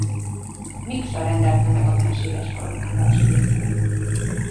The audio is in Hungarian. Miksa rendelte meg a fenséges koronázási ékszert.